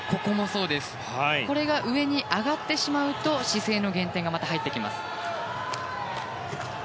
これが上に上がってしまうと姿勢の減点が入ってきます。